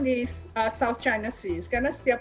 di south china sea karena setiap